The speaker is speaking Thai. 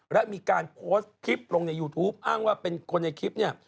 และมีการโพสต์คลิปลงในยูทูปอ้างว่าเป็นคนในคลิปเนี่ย